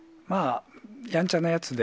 やんちゃなやつで。